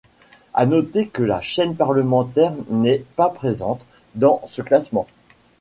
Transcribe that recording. À noter que la chaîne parlementaire n'est pas présente dans ce classement.